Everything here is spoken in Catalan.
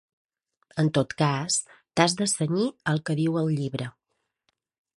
En tot cas t'has de cenyir al que diu el llibre.